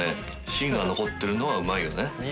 しんが残ってるのがうまいよね。